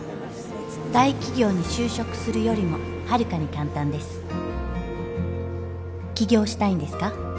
大企業に就職するよりもはるかに簡単です起業したいんですか？